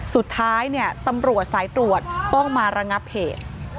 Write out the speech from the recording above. สุดท้ายเนี่ยตำรวจสายตรวจต้องมาระงับเหตุ